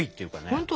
本当？